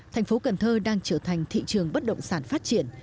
thành phố cần thơ đang trở thành thị trường bất động sản phát triển